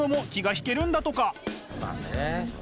まあね。